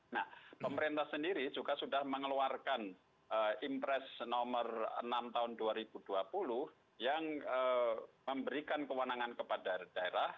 nah pemerintah sendiri juga sudah mengeluarkan impres nomor enam tahun dua ribu dua puluh yang memberikan kewenangan kepada daerah